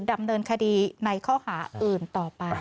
ดำเนินคดีในข้อหาอื่นต่อไป